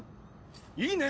いいね！